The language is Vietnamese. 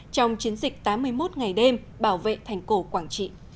trong chiến dịch tám mươi một ngày đêm bảo vệ thành cổ quảng trị